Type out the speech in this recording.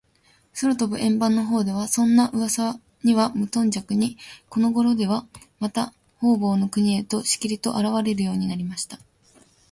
空とぶ円盤のほうでは、そんなうわさにはむとんじゃくに、このごろでは、また、ほうぼうの国へと、しきりと、あらわれるようになりました。